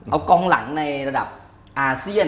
เอากองหลังในระดับอาเซียน